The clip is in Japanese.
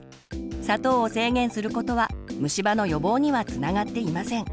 砂糖を制限することは虫歯の予防にはつながっていません。